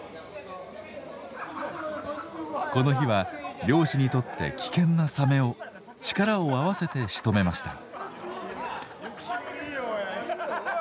この日は漁師にとって危険なサメを力を合わせてしとめました。